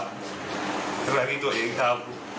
สำหรับที่ตัวเองทำ